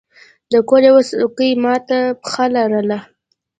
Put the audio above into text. د کور یوه څوکۍ مات پښه لرله.